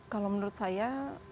kalau menurut saya